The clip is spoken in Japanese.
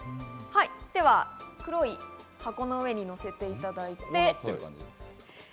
黒い箱の上に乗せていただいて。